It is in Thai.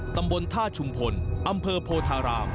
ตำบลท่าชุมพลอำเภอโพธาราม